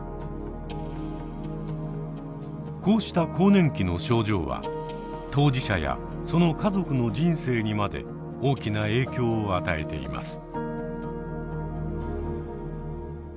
こうした更年期の症状は当事者やその家族の人生にまで大きな影響を与えています。